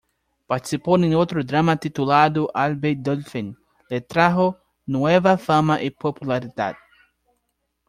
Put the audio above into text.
Participó en otro drama titulado "Al Bay Dolphin", le trajo nueva fama y popularidad.